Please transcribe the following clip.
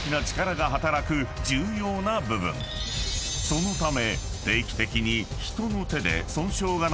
［そのため］